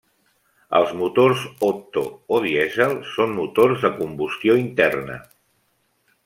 Els motors Otto o dièsel són motors de combustió interna.